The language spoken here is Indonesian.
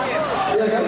ambil saja pak